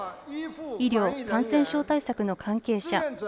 医療、感染症対策の関係者